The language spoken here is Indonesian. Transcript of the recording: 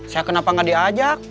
saya kenapa gak diajak